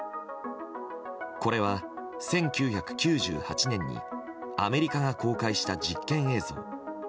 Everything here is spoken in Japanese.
これは１９９８年にアメリカが公開した実験映像。